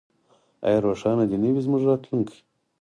آیا روښانه دې نه وي زموږ راتلونکی؟